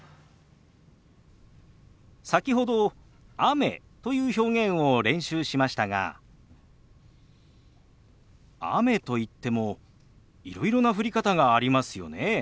先ほど「雨」という表現を練習しましたが雨といってもいろいろな降り方がありますよね。